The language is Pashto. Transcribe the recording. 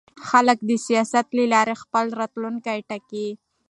خلک د سیاست له لارې خپل راتلونکی ټاکي